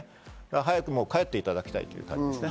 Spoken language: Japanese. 早く帰っていただきたいって感じですね。